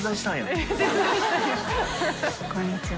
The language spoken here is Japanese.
こんにちは。